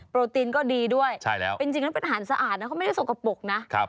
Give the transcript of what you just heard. ตีนก็ดีด้วยเป็นจริงแล้วเป็นอาหารสะอาดนะเขาไม่ได้สกปรกนะ